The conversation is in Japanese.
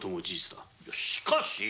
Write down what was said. しかし。